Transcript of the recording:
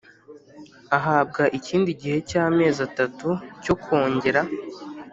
ahabwa ikindi gihe cy amezi atatu cyo kongera